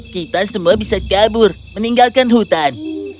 kita semua bisa kabur meninggalkan hutan